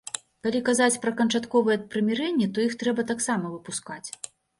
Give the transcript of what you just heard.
Калі казаць пра канчатковае прымірэнне, то іх трэба таксама выпускаць.